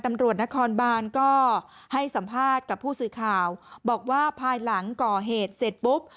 ตำรวจนครบานก็ให้สัมภาษณ์กับผู้สื่อข่าวบอกว่าภายหลังก่อเหตุเสร็จปุ๊บ